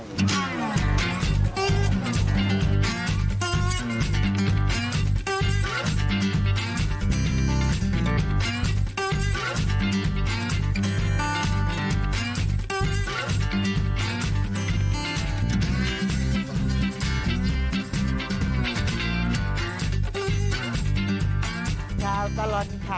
อย่างนี้ก็เต็มแม่ว่าจะมาส่งทุกวันชนิดหน่อยครับ